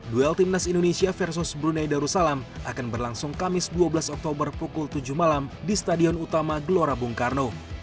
duel timnas indonesia versus brunei darussalam akan berlangsung kamis dua belas oktober pukul tujuh malam di stadion utama gelora bung karno